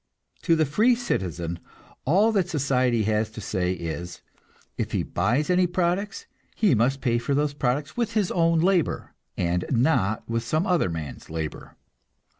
To the free citizen all that society has to say is, if he buys any products, he must pay for those products with his own labor, and not with some other man's labor.